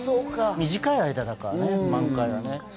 短い間だからね、満開はね。